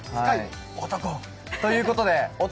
漢ということで漢